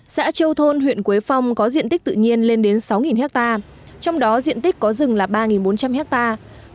xã châu thôn huyện quế phong có diện tích tự nhiên lên đến sáu hectare trong đó diện tích có rừng là ba bốn trăm linh hectare